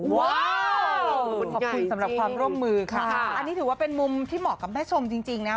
ขอบคุณสำหรับความร่วมมือค่ะอันนี้ถือว่าเป็นมุมที่เหมาะกับแม่ชมจริงนะ